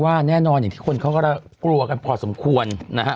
แน่นอนอย่างที่คนเขาก็กลัวกันพอสมควรนะฮะ